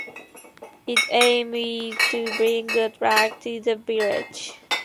Its aim is to bring good luck to the village.